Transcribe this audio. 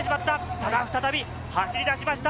ただ再び走り出しました。